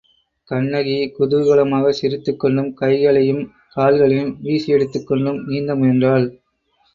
கண்ணகி குதூகலமாகச் சிரித்துக்கொண்டும் கைகளையும் கால்களையும் வீசியடித்துக்கொண்டும் நீந்த முயன்றாள்.